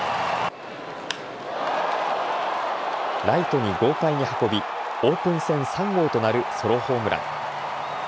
ライトに豪快に運び、オープン戦３号となるソロホームラン。